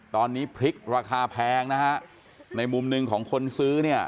ตอนนี้พริกราคาแพงนะฮะในมุมหนึ่งของคนซื้อเนี่ย